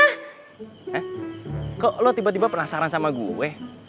eh kok lo tiba tiba penasaran sama gue